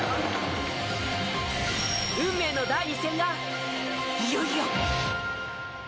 運命の第２戦がいよいよ。